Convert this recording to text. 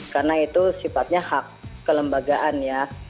karena itu sifatnya hak kelembagaan ya